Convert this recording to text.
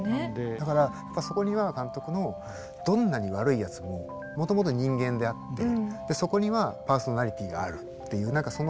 だからやっぱそこには監督のどんなに悪いやつももともと人間であってでそこにはパーソナリティーがあるっていう何かその。